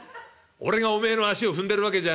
『俺がお前の足を踏んでるわけじゃねえ。